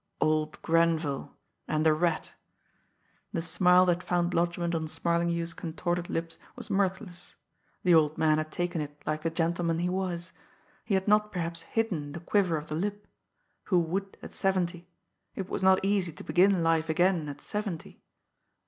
Old Grenville and the Rat! The smile that found lodgment on Smarlinghue's contorted lips was mirthless. The old man had taken it like the gentleman he was. He had not perhaps hidden the quiver of the lip who would at seventy! It was not easy to begin life again at seventy!